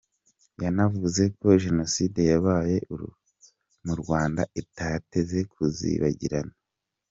Yanavuze ko Jenoside yabaye mu Rwanda idateze kuzibagirana.